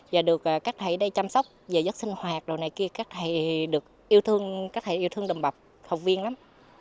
và được các thầy ở đây chăm sóc về giấc sinh hoạt các thầy yêu thương đồng bậc học viên lắm